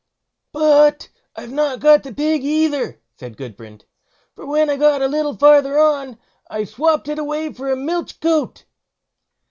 "But I've not got the pig either", said Gudbrand; "for when I got a little farther on, I swopped it away for a milch goat."